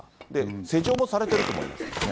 施錠もされてると思いますからね。